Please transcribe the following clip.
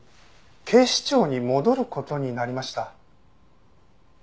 警視庁に戻る事になりました。